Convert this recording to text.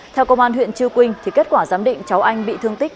theo công an huyện chư quynh kết quả giám định cháu anh bị thương tích một mươi một